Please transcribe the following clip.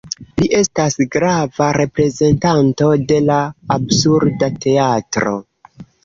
Li estas grava reprezentanto de la Absurda Teatro.